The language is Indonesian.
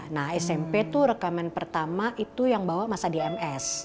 nah smp itu rekaman pertama yang bawa masa di ms